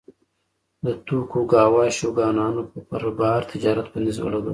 د توکوګاوا شوګانانو پر بهر تجارت بندیز ولګاوه.